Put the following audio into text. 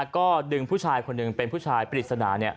ก็ดึงผู้ชายคนหนึ่งเป็นผู้ชายปริศนา